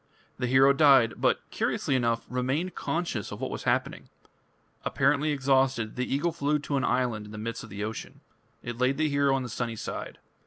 The hero died, but, curiously enough, remained conscious of what was happening. Apparently exhausted, the eagle flew to an island in the midst of the ocean. It laid the hero on the sunny side.